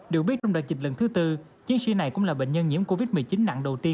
được biết trong đợt dịch lần thứ tư chiến sĩ này cũng là bệnh nhân nhiễm covid một mươi chín nặng đầu tiên